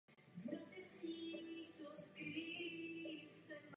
A máme směrnici, která se změnila v nařízení.